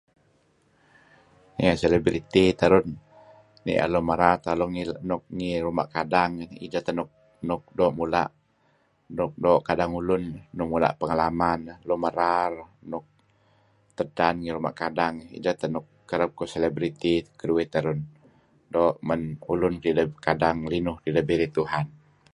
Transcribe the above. Selebrity iih tarun nier lun merar tauh nuk ngi ruma' kadang ideh teh nuk nuk mula' nuk doo' kadang ulun nuk mula' pengalaman lun merar tedtan ngi ruma' kadang ideh teh kereb kuh celebrity keduih terun doo' man ulun kideh kadang inuk birey Tuhan.